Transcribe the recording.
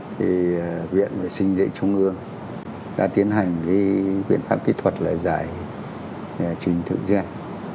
thì viện vệ sinh dễ trung ương đã tiến hành cái viện pháp kỹ thuật là giải trình thử gian